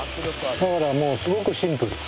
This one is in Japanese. ほらもうすごくシンプル。